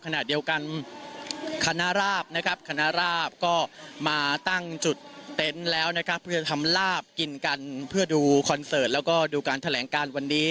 ขณะเดียวกันคณะราบนะครับคณะราบก็มาตั้งจุดเต็นต์แล้วนะครับเพื่อทำลาบกินกันเพื่อดูคอนเสิร์ตแล้วก็ดูการแถลงการวันนี้